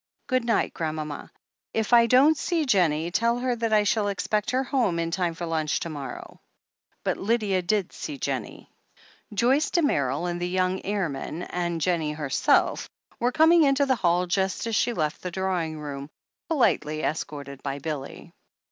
"Good night, grandmama. If I don't see Jennie, tell her that I shall expect her home in time for lunch to morrow." But Lydia did see Jennie. Joyce Damerel and the young airman, and Jennie herself, were coming into the hall just as she left the drawing room, politely escorted by Billy.